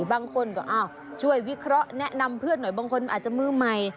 บางคนก็อ้าวช่วยวิเคราะห์แนะนำเพื่อนหน่อยบางคนอาจจะมือใหม่